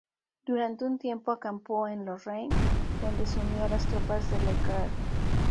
Durante un tiempo acampó en Lorraine, donde se unió a las tropas de Leclerc.